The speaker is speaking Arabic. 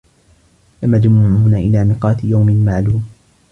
لَمَجموعونَ إِلى ميقاتِ يَومٍ مَعلومٍ